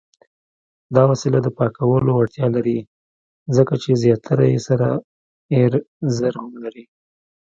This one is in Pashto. دا وسیله د پاکولو وړتیا لري، ځکه چې زیاتره یې سره ایریزر هم لري.